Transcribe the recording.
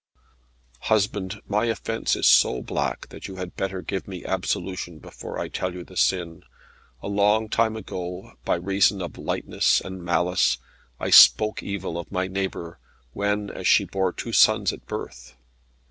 "Husband, my offence is so black, that you had better give me absolution before I tell you the sin. A long time ago, by reason of lightness and malice, I spoke evil of my neighbour, whenas she bore two sons at a birth.